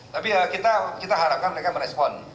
tapi kita harapkan mereka merespon